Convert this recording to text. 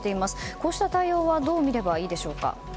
こうした対応はどう見ればいいでしょうか。